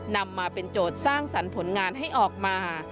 นำมาเป็นโจทย์สร้างสรรค์ผลงานให้ออกมา